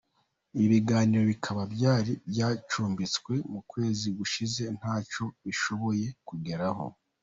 Ibi biganiro bikaba byari byacumbitswe mu kwezi gushize ntacyo bishoboye kugeraho.